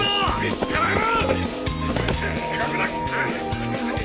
つかまえろ！